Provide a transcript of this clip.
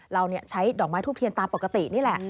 เราใช้ดอกไม้ทูบเทียนตามปกตินี่แหละ